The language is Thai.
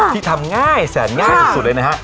ที่ทำง่ายแสนง่ายสุดเลยนะฮะ